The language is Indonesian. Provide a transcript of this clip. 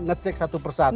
ngecek satu persatu